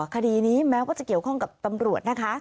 คดีนี้แม้ว่าจะเกี่ยวข้องกับตำรวจนะคะ